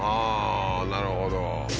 なるほど。